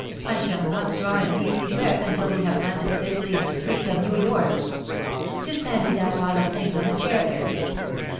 I shall not draw an easy breath until we have landed safely in the streets of New York. Just hand me that pile of things on the chair there.